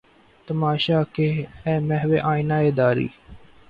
تماشا کہ اے محوِ آئینہ داری!